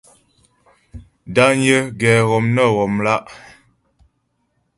Dányə́ ghɛ́ghɔm nə ghɔmlá'.